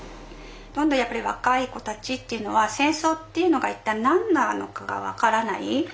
やっぱり若い子たちっていうのは戦争っていうのが一体何なのかが分からない。